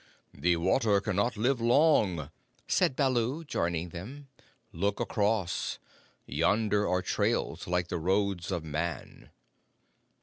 "The water cannot live long," said Baloo, joining them. "Look across. Yonder are trails like the roads of Man."